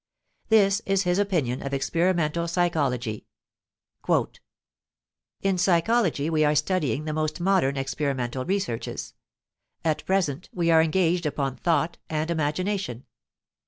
This is his opinion of experimental psychology: In psychology we are studying the most modern experimental researches. At present we are engaged upon Thought and Imagination.